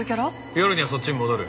夜にはそっちに戻る。